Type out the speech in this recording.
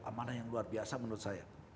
amanah yang luar biasa menurut saya